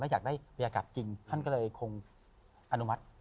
อยากได้บรรยากาศจริงท่านก็เลยคงอนุมัติ